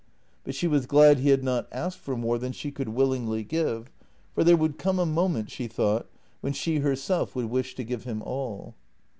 But she was glad he had not asked for more than she could willingly give, for there would come a moment, she thought, when she herself would wish to give him all.